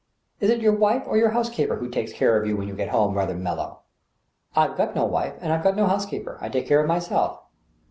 *' Is it your wife or your housekeeper who takes care of you when you get home rather mellow f*' " I've got no wife and I've got no housekeeper. I take care of myself.".